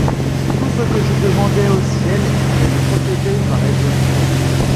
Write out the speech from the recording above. Tout ce que je demandais au ciel était de protéger ma résolution.